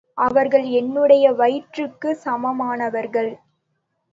அவர்கள் என்னுடைய வயிற்றுக்குச் சமானமானவர்கள்.